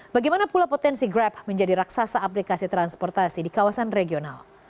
bagaimana pula potensi grab menjadi raksasa aplikasi transportasi di kawasan regional